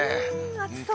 暑そう。